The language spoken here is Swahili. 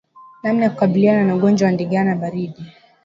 Namna ya kukabiliana na ugonjwa wa ndigana baridi